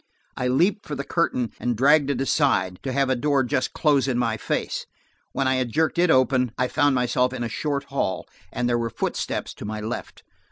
I leaped for the curtain and dragged it aside, to have a door just close in my face. When I had jerked it open, I found myself in a short hall, and there were footsteps to my left.